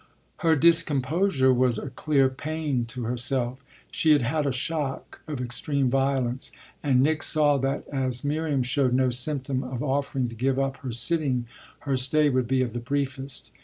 Her discomposure was a clear pain to herself; she had had a shock of extreme violence, and Nick saw that as Miriam showed no symptom of offering to give up her sitting her stay would be of the briefest.